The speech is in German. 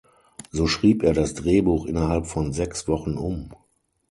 So schrieb er das Drehbuch innerhalb von sechs Wochen um.